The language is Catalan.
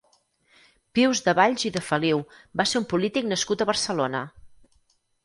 Pius de Valls i de Feliu va ser un polític nascut a Barcelona.